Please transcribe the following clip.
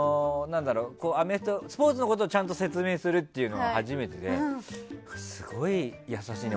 スポーツのことをちゃんと説明するのが初めてで、すごい優しいね。